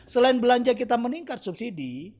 selain belanja kita meningkat subsidi